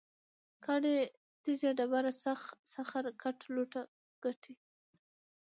کاڼی، تیږه، ډبره، سخر، ګټ، لوټه، ګټی